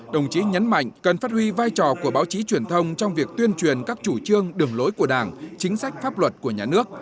đồng chí nhấn mạnh cần phát huy vai trò của báo chí truyền thông trong việc tuyên truyền các chủ trương đường lối của đảng chính sách pháp luật của nhà nước